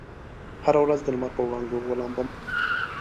هره ورځ دلمر په وړانګو ولامبم